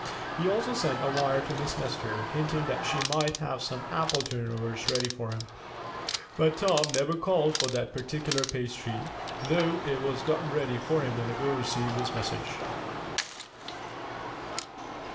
He also sent a wire to Miss Nestor, hinting that she might have some apple turnovers ready for him. But Tom never called for that particular pastry, though it was gotten ready for him when the girl received his message.